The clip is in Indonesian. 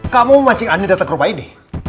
kamu memancing andi datang ke rumah ini